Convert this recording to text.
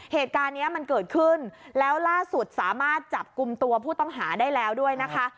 เหตุการณ์นี้มันเกิดขึ้นแล้วล่าสุดสามารถจับกลุ่มตัวผู้ต้องหาได้แล้วด้วยนะคะ